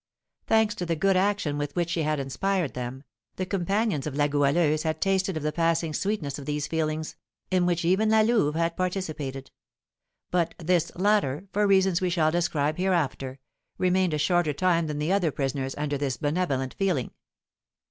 Thanks to the good action with which she had inspired them, the companions of La Goualeuse had tasted of the passing sweetness of these feelings, in which even La Louve had participated; but this latter, for reasons we shall describe hereafter, remained a shorter time than the other prisoners under this benevolent feeling.